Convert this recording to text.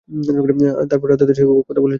তারপর তাদের সাথে আমাকেও পান করালেন।